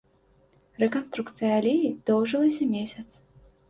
Рэканструкцыя алеі доўжылася месяц.